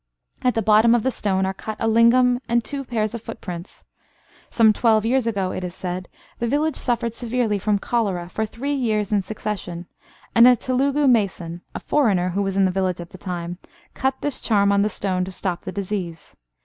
At the bottom of the stone are cut a lingam and two pairs of foot prints. Some twelve years ago, it is said, the village suffered severely from cholera for three years in succession, and a Telugu mason, a foreigner who was in the village at the time, cut this charm on the stone to stop the disease.